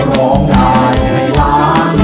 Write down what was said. ร้องได้ให้ล้าน